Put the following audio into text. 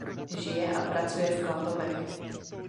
Žije a pracuje v Klatovech.